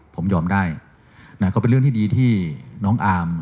ผมยอมได้แต่ก็เป็นเรื่องดีที่น้องอาม